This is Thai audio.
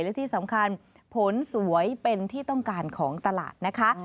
และที่สำคัญผลสวยเป็นที่ต้องการของตลาดนะคะ